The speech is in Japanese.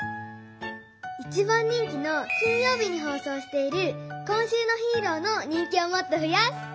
一番人気の金よう日に放送している「今週のヒーロー」の人気をもっとふやす！